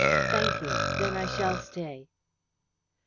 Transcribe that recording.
"Thank you. Then I shall stay."